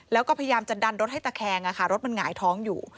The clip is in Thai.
แล้วก็พยายามจะดันรถให้ตะแคงรถมันหงายท้องอยู่